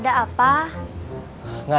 tidak ada yang makan